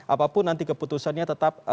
apapun nanti keputusannya tetap